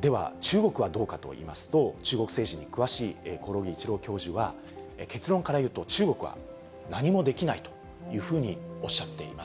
では中国はどうかといいますと、中国政治に詳しい興梠一郎教授は、結論から言うと、中国は何もできないというふうにおっしゃっています。